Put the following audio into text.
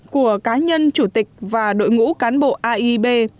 của cá nhân chủ tịch và đội ngũ cán bộ aib